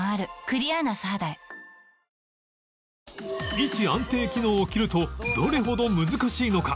位置安定機能を切るとどれほど難しいのか